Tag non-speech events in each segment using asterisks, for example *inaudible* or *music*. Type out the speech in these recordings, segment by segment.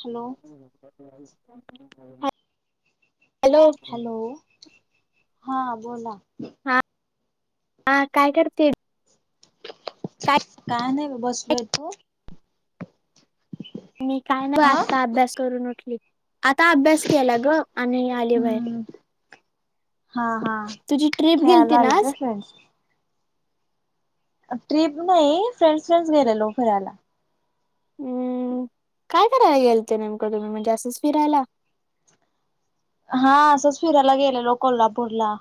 Hello *inaudible* hello हा बोला. हा हा काय करते? काय नाही बग बसलोय तू. मी काय नाहीं बग आ आत्ता अभ्यास करून उठली. आता अभ्यास केला ग आणि आली बाहेर. हम्म हा हा तुझी ट्रिप गेलती ख्याळाला ना आलंत आज फ्रेंडस ट्र्रीप नाही फ्रेंड्स फ्रेंड्स गेले लोक करायला. हम् काय करायला गेल ते नेमकं तुम्ही म्हणजे असंच फिरायला. हा असच फिरायला गेले लो कोल्हापूरला.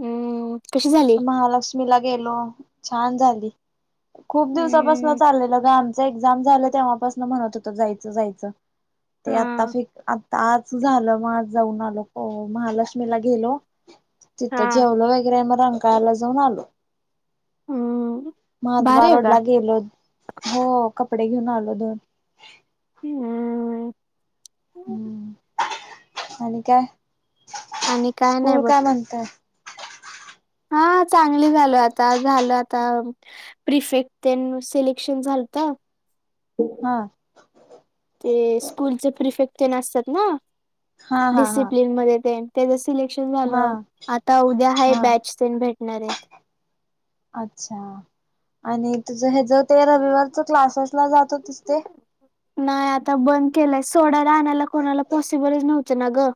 हम् कशी झालं महालक्ष्मीला गेलो छान झाली खूप दिवसापासन हम्म चाललेल ग आमच एक्झाम झालं तेव्हापासन म्हणत होत जायचं जायचं ते हा आत्ता फक आता आज झालं मग आज जाऊन आलो महालक्ष्मीला गेलो तिथं हा जेवलं वगैरे आहे मग रंकाळायला जाऊन आलो हम्म भारी मातवा आहे रोड का? ला गेलो हो कपडे घेऊन आलो दोन ह हम हम् आणि काय आणि काय नाही स्कूल बघ का म्हणतात हा चांगली झाल आता झाल आता प्रिफेक्ट सिलेक्शन झालत हा ते स्कूलचे परिफेक्ट असतात ना हा हा हा डिसिप्लिन मध्ये ते त्याच सिलेक्शन हा झालं आता उद्या हा बॅच प भेटणार आहेत अच्छा आणि तुझ ह ज ते रविवारच क्लाससला जातो तिस ते नाही आता बंद केलंय सोडाला आणायला कोणाला पॉसिबलच नव्हतं ना ग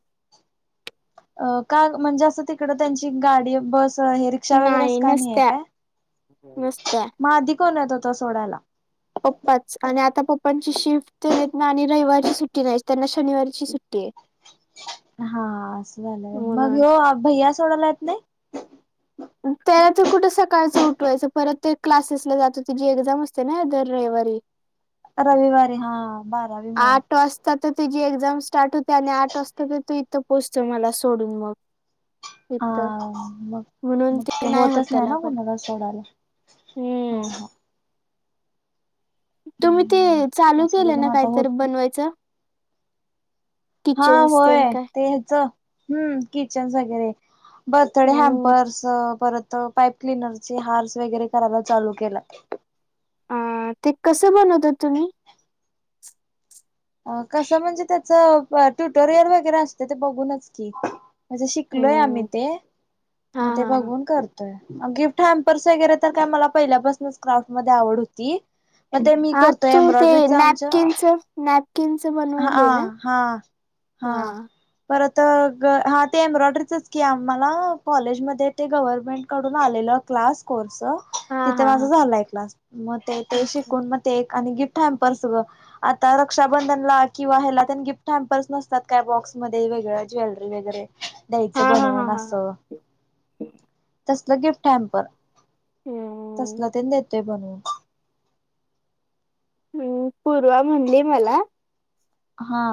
अ का म्हणजे असं तिकड त्यांची गाडी बस हेर कक्षा वगैरेच का नाही आहे काय नसत्या मग अधिक कोण येत होतो सोडायला पप्पाच आणि आता पप्पांची शिफ्ट ना आणि रविवारची सुट्टी नाही त्यांना शनिवारची सुट्टी आहे *inaudible* हा असं झालंय मग म्हणून ह भैया सोडाला आहेत नाही त्याला तर कुठं सकाळचं उठवायचं परत ते क्लासेसला जातो ति जी एक्झाम असते ना दर रविवारी रविवारी हा बारावी मुळ आठ वाजता तर तुझी एक्झाम स्टार्ट होते आणि आठ वाजता तर तू पोचतो मला सोडून मग हा इथ मग म्हणून मग ते होत होतच नाही त्याला ना पण. कणाला सोडायला हो हम्म. ह तुम्ही ते हम्म चालू असलं केलं की म ना आता कायत होत बनवायचं हा किचन्स तेन होय काय? तेच हम्म किचन वगैरे बरथडे हम्म. हॅम्पर्स परत पाईप क्लनरचे हार्स वगैरे करायला चालू केला अ ते कसं बनवतात तुम्ही अ कसं म्हणजे त्याचं ट्युटोरियल वगैरे असते ते बघूनच की म्हणजे शिकलोय आम्ही हम्म. ते हा मग ते हा. बघून करतो गिफ्ट हॅम्पर्स वगैरे तर काय मला पहिल्यापासूनच क्राफ्ट मध्ये आवड होती मग ते मी हा करतो तू ते एम्ब्रॉयडरीचा आमच्या नॅपकिनच ना कीस ब बनवले हा हा हा परत ग हा ते एम्ब्रॉयडरीचच की आम्हाला कॉलेजमध्ये ते गव्हर्नमेंट कडून आलेलं क्लास कोर्स च हा तिथ हा माझ हा. झालाय क्लास मग ते अच्छा. शिकून केक आणि गिफ्टा सगळं आता रक्षाबंधनला किंवा ह्याला गिफ्ट हॅम्पल्स नसतात काय बॉक्समध्ये वेगळ ज्वेलरी वगैरे हा द्यायचं हा हा बनवून हा हा. असं तसलं गिफ्ट हॅम्पर हम्म तसलं ते देतोय बनून हम्म पूर्वा म्हणली मला हा.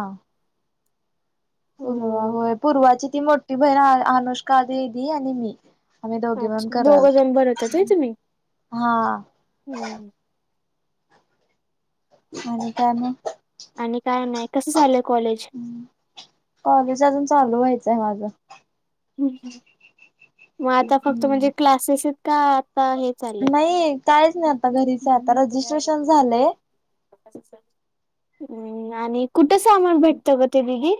पूर्वा हम्म. होय पूर्वाची ती मोठी बहीण अनुष्का दीदी आणि मी आम्ही दोघी म्हण अच्छा दोघ करालतो जण बनवतात होय तुम्ही? हा हम्म आणि का नाही आणि काय नाही कसं झालंय कॉलेज कॉलेज अजून चालू व्हायचं आहे माझं हम्म हम्म मग आता फक्त हम्म. म्हणजे क्लासेस का आता हे चाललंय? नाही काहीच नाही आता घरीच आता रजिस्ट्रेशन झालंय *unintelligible* हम्म आणि कुठं सामान भेटतं ग ते बघी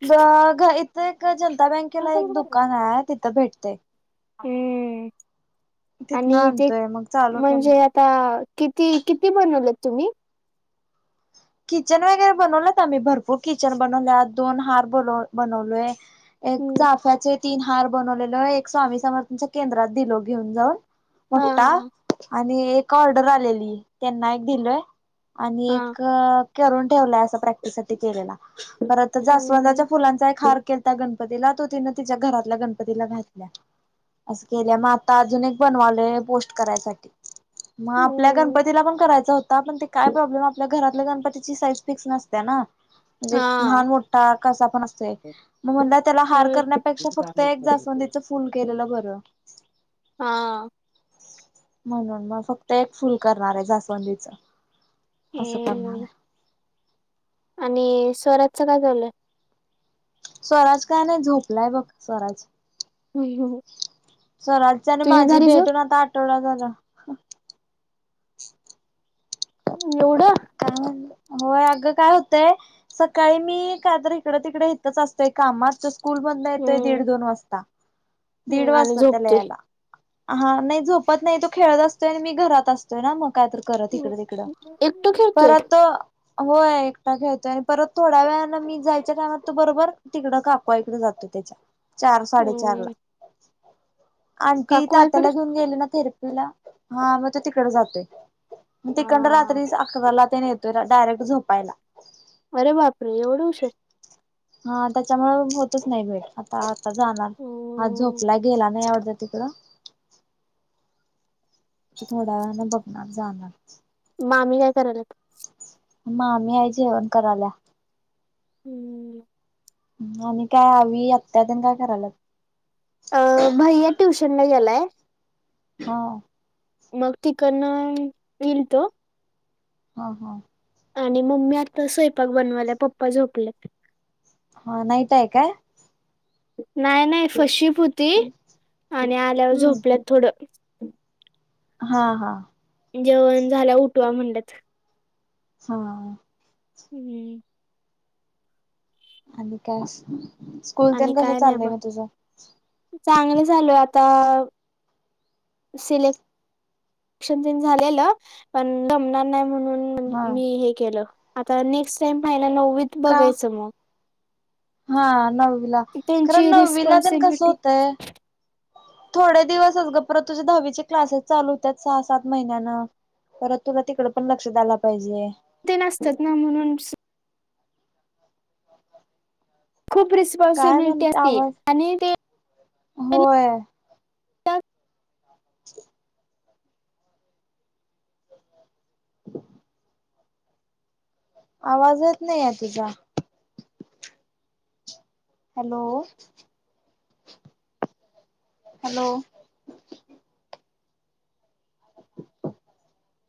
*unintelligible* इथं एक जनता बँकेला एक दुकान आहे तिथं भेटते हम्म तिथनं आणि ते आणतोय मग चालू केलंय. म्हणजे आता किती किती बनवलेत तुम्ही कीचेन वगैरे बनवलत आम्ही भरपूर कीचेन बनवलेत दोन हार बनव बनवलोय एक चाफ्याचे तीन हार बनवलेलय एक स्वामी समर्थांच्या केंद्रात दिलो घेऊन जाऊन हा मोठ्ठा हा आणि एक ऑर्डर आलेली त्यांना एक दिलय आणि हा एक तर करून ठेवलाय असं प्रॅक्टिस साठी केलेला परत जास्वंदाच्या हम्म फुलांचा एक हार केलंता गण पतीला तो तिने तिच्या घरातल्या गणपतीला घातलय अस केले मग आता अजून एक बनवालोय पोस्ट करायसाठी मग आपल्या हम्म गणपतीला पण करायचा होता पण ते काय प्रॉब्लेम आपल्या घरातल्या गणपतीची साईज फिक्स नसते ना हा म्हणजे लहान मोठा कसा पण असते मग म्हणलं त्याला हार होय करण्यापेक्षा फक्त एक जास्वंदीच फुल केलेलं बरं हा म्हणून मग फक्त एक फुल करणार आहे जास्वंदीच असं करणार हम्म आहे आणि स्वराजचं काय चाललंय? स्वराज काय नाही झोपलाय बघ स्वराज *inaudible* स्वराजची आणि तुझी माझी झाली झोप भेटून आता आठवडा झाला एवढा हम्म होय अगं काय होतंय सकाळी मी कायतर इकडे तिकडे इथेच असतय कामात स्कूल माधन येतोय हम्म दीड दोन वाजता, दीड हम्म आणि वाजतात त्याला झोपतोय. यायला हा, नाही झोपत नाही तो खेळत असतोय आणि मी घरात असतोय ना मग काय तर करत इकडे तिकडे एकटो खेळतोय परत व्हय एकटा खेळतोय आणि परत थोड्या वेळांन मी जायच्या टायमात तू बरोबर तिकडं का *unintelligible* जातो त्याच्या चार साडेचार ला. हम्म आंटी काकू आहे कडे तात्याला घेऊन गेली ना थेरपी ला? हा मग तो तिकड जातोय. मग तिकडं हा रात्री अकराला *unintelligible* येतोय डायरेक्ट झोपायला अरे बापरे एवढ उशीर हा त्याच्यामुळे होतच नाही भेट आता आता जाणार. हा हम्म झोपला गेला नाही आवडतं तिकडं. थोडा बघणार जाणार. मामी् काय कराला. म मी याय जेवण करायला. हम्म. आणि काय हवी आत्या त्यान काय करायला अ भैया ट्युशनला गेलाय ह मग तिकडनं येईल तो. हा हा आणि मम्मी आता स्वयपाक बनवाल्या पप्पा झोपल्यात हा नाहीत आहे काय नाय नाय फर्स्टशिप होती आणि आल्यावर हम्म झोपल्यात थोडं हा हा जेवण झाल्या उठवा म्हणतात हा. हम्म. आणि काय स्कूल आणि तेन कसं काय नाही चाललंय बा, मग तुझं चांगल चालू आता सिलेक्शन तेन झालेलं पण जमणार नाही म्हणून. हा मी हे केलं आता नेक्स्ट टाईम पाहियला नववीत का बघायचं मग? हा नववीला कारण त्यांची नववीला तेण कस रिस्पॉन्सिबिलिटी होतंय. थोडे दिवसस ग पर तुझ्या दहावीचे क्लासेस चालू होत्यात सहा सात महिन्यांना. परत तुला तिकड पण लक्ष द्याला पाहिजे. ते नसतात ना म्हणून. खूप काय रिस्पॉन्सिबिलिटी म्हणते असते आवाज आणि ते. होय. *unintelligible* *unintelligible* *unintelligible* आवाजच नाही आहे तुझा. Hello hello. *unintelligible*